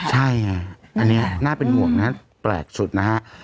ใช่ไงอันนี้น่าเป็นห่วงนะแปลกสุดนะฮะ